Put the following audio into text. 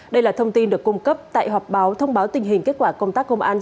đây là thông tin được cung cấp tại họp báo thông báo tình hình kết quả công tác công an